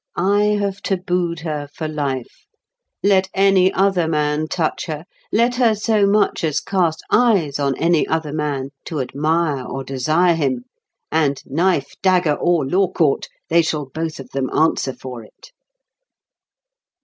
I have tabooed her for life: let any other man touch her, let her so much as cast eyes on any other man to admire or desire him—and, knife, dagger, or law court, they shall both of them answer for it."